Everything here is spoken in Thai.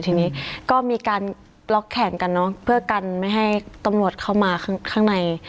ทีนี้ก็มีการล็อกแขนกันเนอะเพื่อกันไม่ให้ตำรวจเข้ามาข้างใน